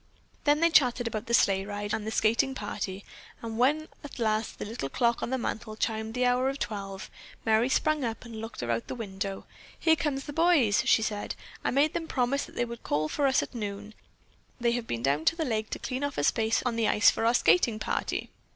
Then they chattered about the sleigh ride and the skating party, and when at last the little clock on the mantle chimed the hour of twelve, Merry sprang up and looked out of the window. "Here come the boys!" she said. "I made them promise that they would call for us at noon. They've been down to the lake to clean off a space on the ice for our skating party."